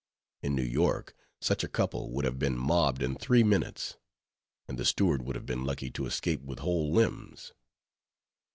In New York, such a couple would have been mobbed in three minutes; and the steward would have been lucky to escape with whole limbs.